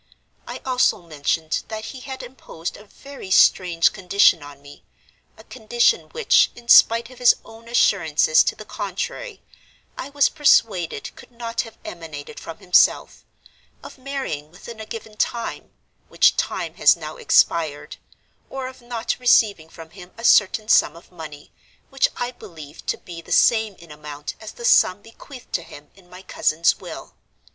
I also mentioned that he had imposed a very strange condition on me—a condition which, in spite of his own assurances to the contrary, I was persuaded could not have emanated from himself—of marrying within a given time (which time has now expired), or of not receiving from him a certain sum of money, which I believed to be the same in amount as the sum bequeathed to him in my cousin's will.